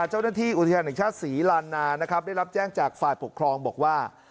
เจ้าหน้าที่อุทยานแห่งชาติศรีลานานะครับได้รับแจ้งจากฝ่ายปกครองบอกว่า